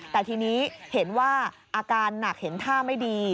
แต่ทีนี้เห็นว่าอาการหนักเห็นท่าไม่ดี